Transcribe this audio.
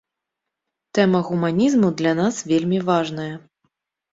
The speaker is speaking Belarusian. Тэма гуманізму для нас вельмі важная.